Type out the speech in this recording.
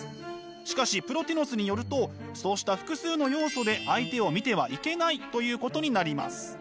しかしプロティノスによるとそうした複数の要素で相手を見てはいけない！ということになります。